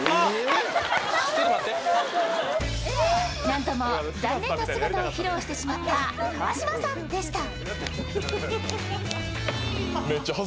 なんとも残念な姿を披露してしまった川島さんでした。